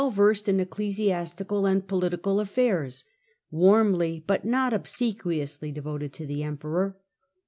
39 versed in ecclesiastical and political affairs — ^warmly, but not obsequiously, devoted to the emperor.